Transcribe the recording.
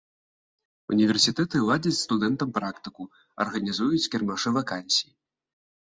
Універсітэты ладзяць студэнтам практыку, арганізуюць кірмашы вакансій.